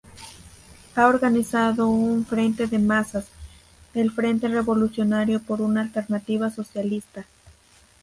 Ha organizado un frente de masas, el Frente Revolucionario por una Alternativa Socialista.